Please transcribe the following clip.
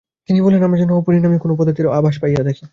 তিনি বলেন, আমরা যেন অপরিণামী কোন পদার্থের আভাস পাইয়া থাকি।